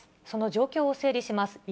その状況を整理します。